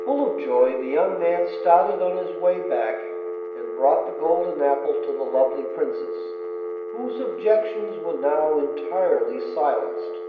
Full of joy the young man started on his way back and brought the golden apple to the lovely Princess, whose objections were now entirely silenced.